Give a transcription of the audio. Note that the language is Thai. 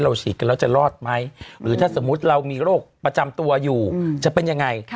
ฉีดกันแล้วจะรอดไหมหรือถ้าสมมุติเรามีโรคประจำตัวอยู่จะเป็นยังไง